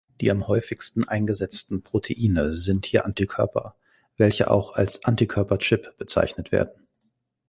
Die am häufigsten eingesetzten Proteine sind hier Antikörper, welche auch als Antikörper-Chip bezeichnet werden.